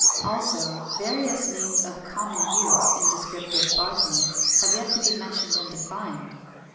Also various names of common use in descriptive botany have to be mentioned and defined.